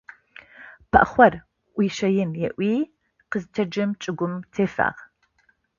Пэӏухъор ӏуищэин ыӏуи къызэтэджым чӏыгум тефагъ.